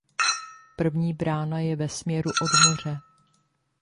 První brána je ve směru od moře.